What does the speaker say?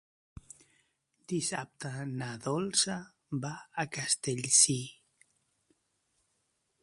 Dissabte na Dolça va a Castellcir.